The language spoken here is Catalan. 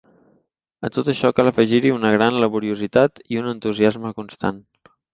A tot això cal afegir-hi una gran laboriositat i un entusiasme constant.